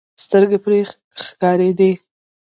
سترګې پرې ښکارېدې.